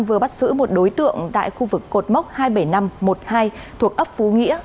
vừa bắt giữ một đối tượng tại khu vực cột mốc hai mươi bảy nghìn năm trăm một mươi hai thuộc ấp phú nghĩa